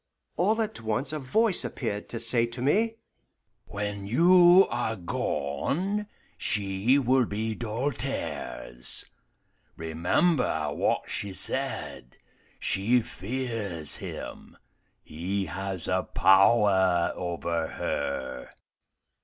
All at once a voice appeared to say to me, "When you are gone, she will be Doltaire's. Remember what she said. She fears him. He has a power over her."